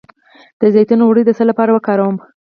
د زیتون غوړي د څه لپاره وکاروم؟